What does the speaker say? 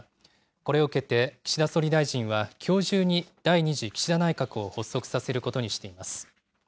これを受けて岸田総理大臣は、きょう中に第２次岸田内閣を発足させることにしています。